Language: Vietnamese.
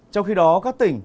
trong khi đó các tỉnh